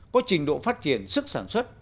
có trình độ phát triển sức sản xuất